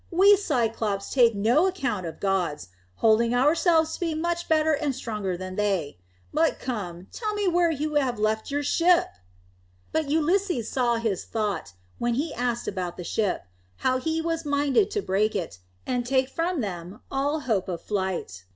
We Cyclopes take no account of gods, holding ourselves to be much better and stronger than they. But come, tell me where have you left your ship?" But Ulysses saw his thought when he asked about the ship, how he was minded to break it, and take from them all hope of flight.